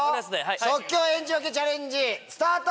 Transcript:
即興演じ分けチャレンジスタート！